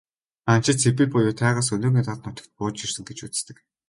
Анчид Сибирь буюу тайгаас өнөөгийн тал нутагт бууж ирсэн гэж үздэг.